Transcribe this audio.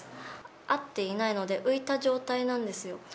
合っていないので浮いた状態なんですよ。